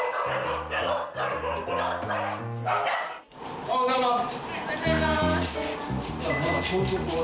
・おはようございます。